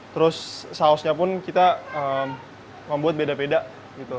terus sausnya pun kita membuat beda beda gitu